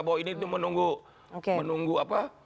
bahwa ini itu menunggu apa